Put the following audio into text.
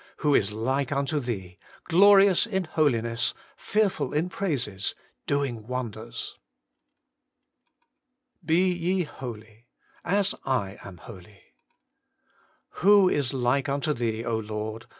Who is like unto Thee, glorious in holiness, fearful in praises, doing wonders ?' BE YE HOLY, AS I AM HOLY. 62 HOLY IN CHRIST. ' Who is like unto Thee, O Lord